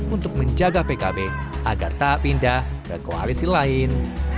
untuk menjaga pkb agar tak pindah ke koalisi lain